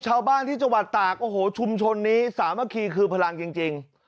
ชาวบ้านที่จังหวัดตากโอ้โหชุมชนนี้สามัคคีคือพลังจริง